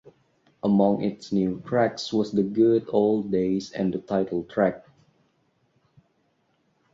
Among its new tracks was "The Good Old Days" and the title track.